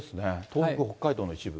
東北、北海道の一部。